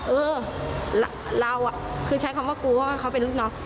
เออเราคือใช้คำว่ากลัวว่าเขาเป็นลูกน้อง